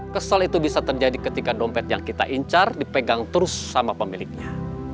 kesel itu bisa terjadi ketika dompet yang kita incar dipegang terus sama pemiliknya